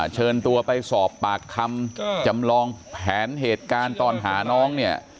เชิญตัวไปสอบปากคำจำลองแผนเหตุการณ์ตอนหาน้องเนี่ย